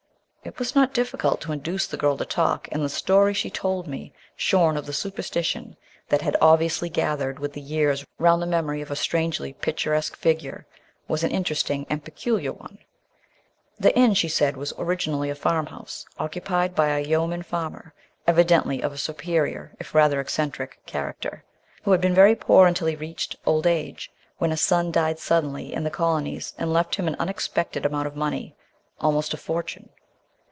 It was not difficult to induce the girl to talk, and the story she told me, shorn of the superstition that had obviously gathered with the years round the memory of a strangely picturesque figure, was an interesting and peculiar one. The inn, she said, was originally a farmhouse, occupied by a yeoman farmer, evidently of a superior, if rather eccentric, character, who had been very poor until he reached old age, when a son died suddenly in the Colonies and left him an unexpected amount of money, almost a fortune.